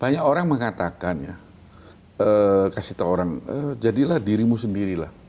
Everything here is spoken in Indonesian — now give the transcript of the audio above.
banyak orang mengatakan kasih tau orang jadilah dirimu sendirilah